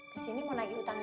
kesini mau nagih utangnya